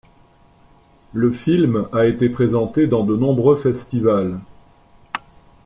Le film a été présenté dans de nombreux festivals.